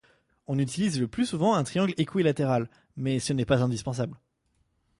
On utilise le plus souvent un triangle équilatéral, mais ce n’est pas indispensable.